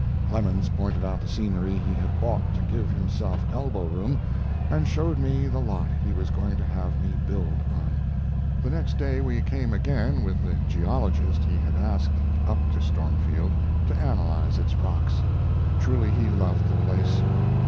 Clemens pointed out the scenery he had bought to give himself elbowroom, and showed me the lot he was going to have me build on. The next day we came again with the geologist he had asked up to Stormfield to analyze its rocks. Truly he loved the place....